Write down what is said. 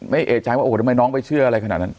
เอกใจว่าโอ้โหทำไมน้องไปเชื่ออะไรขนาดนั้น